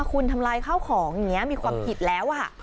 คุณทำลายข้าวของมีความผิดแล้ว